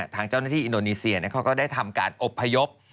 ทางเจ้าหน้าที่อินโดนีเซียเขาก็ได้ทำการอบพยพ